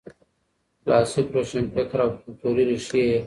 کلاسیک روشنفکر او کلتوري ريښې یې